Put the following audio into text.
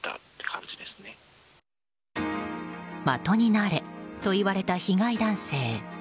的になれと言われた被害男性。